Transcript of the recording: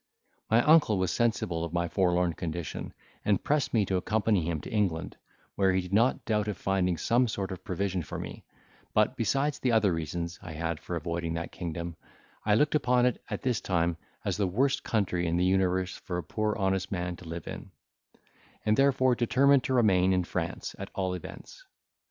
My uncle was sensible of my forlorn condition, and pressed me to accompany him to England, where he did not doubt of finding some sort of provision for me; but besides the other reasons I had for avoiding that kingdom, I looked upon it, at this time, as the worst country in the universe for a poor honest man to live in; and therefore determined to remain in France, at all events.